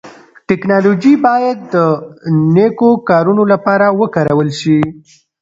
ټکنالوژي بايد د نيکو کارونو لپاره وکارول سي.